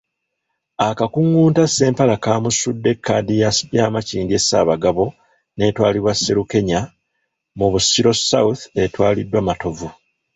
Akakunguta Ssempala kamusudde kkaadi ya Makindye Ssaabagabo netwalibwa Sserukenya, mu Busiro South etwaliddwa Matovu.